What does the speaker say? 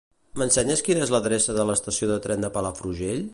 M'ensenyes quina és l'adreça de l'estació de tren de Palafrugell?